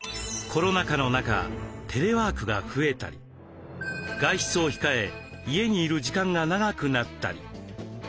コロナ禍の中テレワークが増えたり外出を控え家にいる時間が長くなったり。